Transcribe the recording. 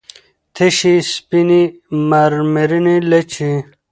تشې سپينې مرمرينې لېچې